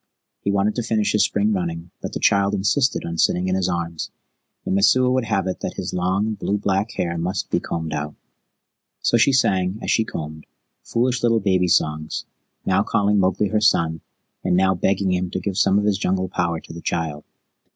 He wanted to finish his spring running, but the child insisted on sitting in his arms, and Messua would have it that his long, blue black hair must be combed out. So she sang, as she combed, foolish little baby songs, now calling Mowgli her son, and now begging him to give some of his jungle power to the child.